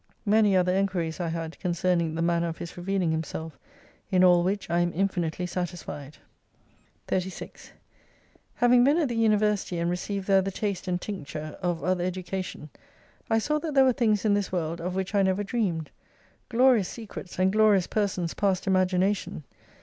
Many other enquiries I had concerning the manner of His revealing Himself, in all which I am infinitely satisfied. 36 Having been at the University, and received there the taste and tincture of another education, I saw that there were things in this world of which I never dreamed ; glorious secrets, and glorious persons past imagination.